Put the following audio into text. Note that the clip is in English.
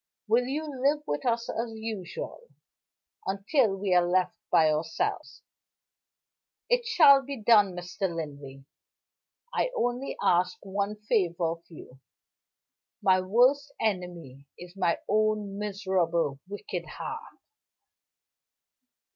Will you live with us as usual, until we are left by ourselves?" "It shall be done, Mr. Linley. I only ask one favor of you. My worst enemy is my own miserable wicked heart.